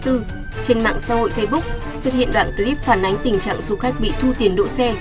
trên mạng xã hội facebook xuất hiện đoạn clip phản ánh tình trạng du khách bị thu tiền đỗ xe